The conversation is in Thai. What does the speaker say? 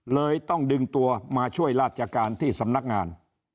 เลยต้องดึงตัวมาช่วยราชการที่สำนักงาน